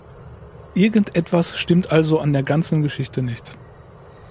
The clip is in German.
Irgendetwas stimmt also an der ganzen Geschichte nicht.